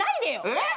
えっ？